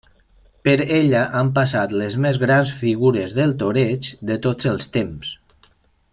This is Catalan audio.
Per ella han passat les més grans figures del toreig de tots els temps.